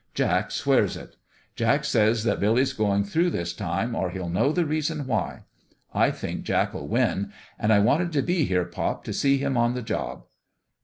Jack swears it. Jack says that Billy's going through this time or he'll know the reason why. I think Jack'll win. And I wanted to be here, pop, to see him on the job."